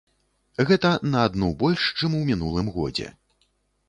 Гэта на адну больш, чым у мінулым годзе.